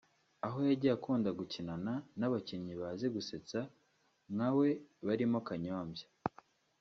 aho yagiye akunda gukinana n’abakinnyi bazi gusetsa nkawe barimo Kanyombya